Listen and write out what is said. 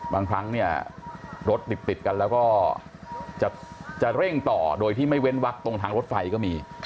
บางครั้งเนี่ยรถติดกันแล้วก็จะเร่งต่อโดยที่ไม่เว้นวักตรงทางรถไฟก็มี